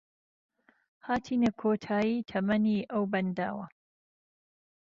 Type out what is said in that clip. هاتینە کۆتایی تەمەنی ئەو بەنداوە